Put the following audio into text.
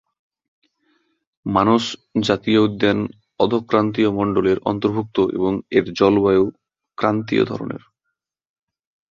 মানস জাতীয় উদ্যান অধোক্রান্তীয় মণ্ডলের অন্তর্ভুক্ত এবং এর জলবায়ু ক্রান্তীয় ধরনের।